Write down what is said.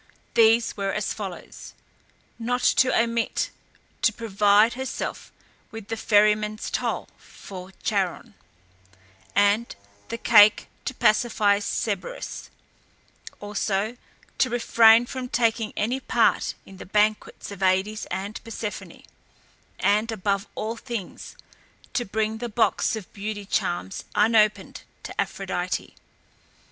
These were as follows: not to omit to provide herself with the ferryman's toll for Charon, and the cake to pacify Cerberus, also to refrain from taking any part in the banquets of Aïdes and Persephone, and, above all things, to bring the box of beauty charms unopened to Aphrodite.